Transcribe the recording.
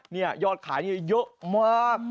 นี่ยอดขายนี่เยอะมาก